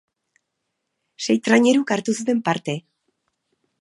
Sei traineruk hartu zuten parte.